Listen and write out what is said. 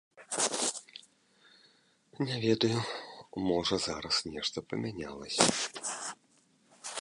Не ведаю, можа, зараз нешта памянялася.